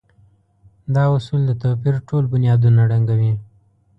دا اصول د توپير ټول بنيادونه ړنګوي.